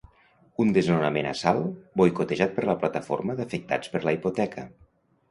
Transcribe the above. Un desnonament a Salt, boicotejat per la Plataforma d'Afectats per la Hipoteca.